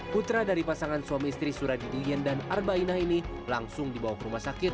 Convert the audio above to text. putra dari pasangan suami istri suradidiyen dan arbainah ini langsung dibawa ke rumah sakit